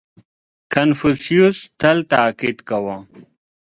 • کنفوسیوس تل تأکید کاوه.